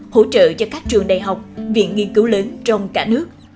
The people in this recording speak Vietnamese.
hỗ trợ cho các trường đại học viện nghiên cứu lớn trong cả nước